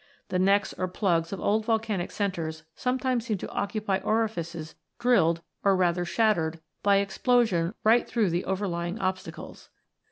The necks or plugs of old volcanic centres sometimes seem to occupy orifices drilled, or rather shattered, by explosion right through the overlying obstacles.